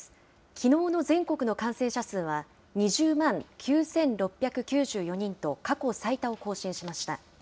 きのうの全国の感染者数は２０万９６９４人と、過去最多を更新しました。